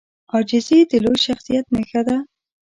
عاجزي د لوی شخصیت نښه ده.